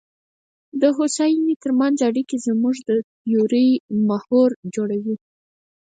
د هوساینې ترمنځ اړیکه زموږ د تیورۍ محور جوړوي.